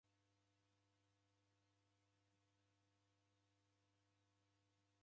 Simanyire ngera w'aw'urie saa ilinga.